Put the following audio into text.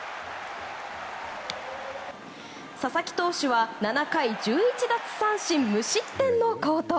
佐々木投手は７回１１奪三振無失点の好投。